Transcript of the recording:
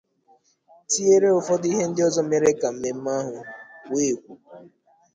tinyere ụfọdụ ihe ndị ọzọ mere ka mmemme ahụ kwòó èkwòó.